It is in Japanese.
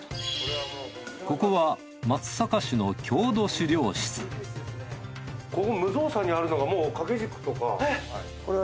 ここはここ無造作にあるのがもう掛け軸とか。